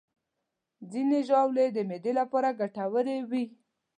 ځینې ژاولې د معدې لپاره ګټورې وي.